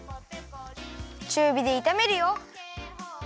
ちゅうびでいためるよ。